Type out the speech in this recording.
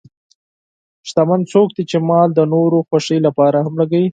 شتمن څوک دی چې مال د نورو خوښۍ لپاره هم لګوي.